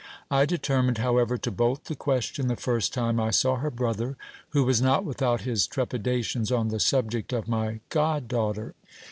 I determined, however, to bolt the question the first time I saw her brother, who was not without his trepidations on the subject of my god daughter.